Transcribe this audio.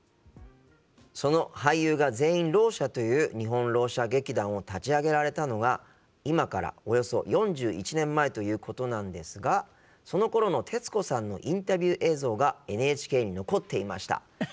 その俳優が全員ろう者という日本ろう者劇団を立ち上げられたのが今からおよそ４１年前ということなんですがそのころの徹子さんのインタビュー映像がＮＨＫに残っていました。